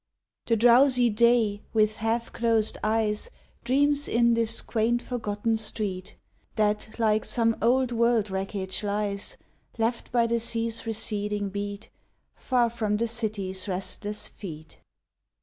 The drowsy day, with half closed eyes, Dreams in this quaint forgotten street, That, like some old world wreckage, lies, Left by the sea's receding beat, Far from the city's restless feet.